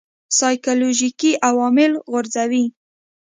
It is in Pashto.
سایکولوژیکي عوامل غورځوي.